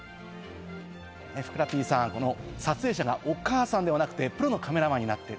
ふくらＰさん、撮影者がお母さんではなくてプロのカメラマンになっている。